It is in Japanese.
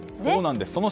そうなんです。